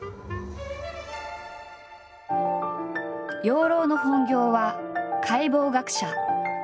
養老の本業は解剖学者。